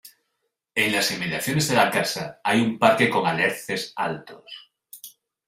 En las inmediaciones de la casa hay un parque con alerces altos.